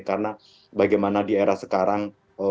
karena bagaimana era sekarang